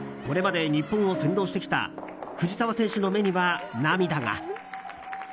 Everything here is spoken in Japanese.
これまで日本を先導してきた藤澤選手の目には、涙が。